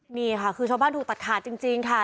นี่ค่ะคือชาวบ้านถูกตัดขาดจริงค่ะ